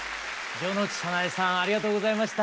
城之内早苗さんありがとうございました。